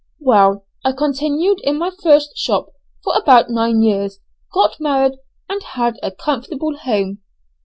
Well, I continued in my first shop for about nine years, got married, and had a comfortable home.